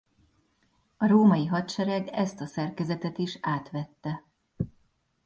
A római hadsereg ezt a szerkezetet is átvette.